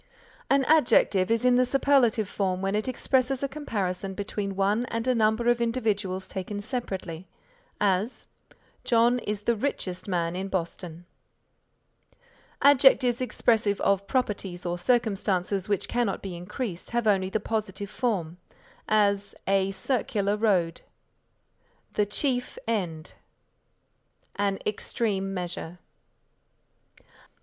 An adjective is in the superlative form when it expresses a comparison between one and a number of individuals taken separately; as, "John is the richest man in Boston." Adjectives expressive of properties or circumstances which cannot be increased have only the positive form; as, A circular road; the chief end; an extreme measure.